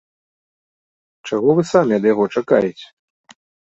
Чаго вы самі ад яго чакаеце?